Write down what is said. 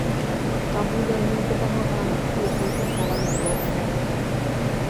Таму яму дапамагаюць у гэтым валанцёры.